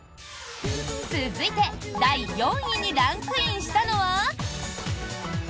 続いて第４位にランクインしたのは。